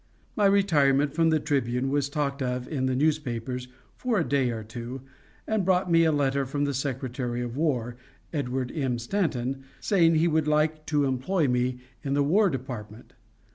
My retirement from the Tribune was talked of in the newspapers for a day or two, and brought me a letter from the Secretary of War, Edwin M. Stanton, saying he would like to employ me in the War Department.